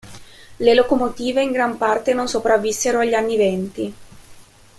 Le locomotive in gran parte non sopravvissero agli anni venti.